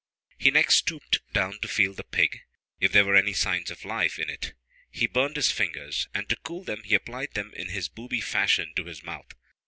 He next stooped down to feel the pig, if there were any signs of life in it. He burned his fingers, and to cool them he applied them in his booby fashion to his mouth.